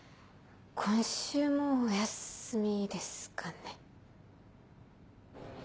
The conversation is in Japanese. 今週もお休みですかね。